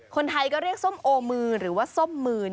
คนไทยก็เรียกส้มโอมือหรือว่าส้มมือ